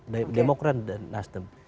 dari demokrat dan nasdem